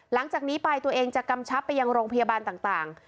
หลังจากนี้ไปตัวเองจะกำชับไปยังโรงพยาบาลต่าง